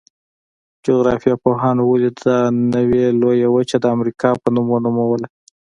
جغرافیه پوهانو ولې دا نوي لویه وچه د امریکا په نوم ونوموله؟